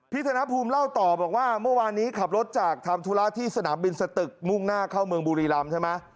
ธนภูมิเล่าต่อบอกว่าเมื่อวานนี้ขับรถจากทำธุระที่สนามบินสตึกมุ่งหน้าเข้าเมืองบุรีรำใช่ไหม